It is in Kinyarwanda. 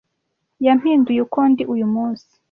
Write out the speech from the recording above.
Yampinduye uko ndi uyu munsi.